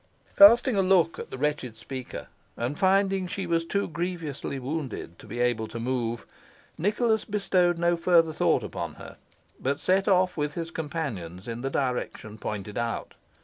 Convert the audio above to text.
Casting a look at the wretched speaker, and finding she was too grievously wounded to be able to move, Nicholas bestowed no further thought upon her, but set off with his companions in the direction pointed out.